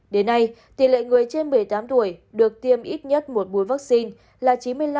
đến nay tỉ lệ người trên một mươi tám tuổi được tiêm ít nhất một mũi vaccine là chín mươi năm ba